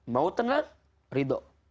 mau tenang ridho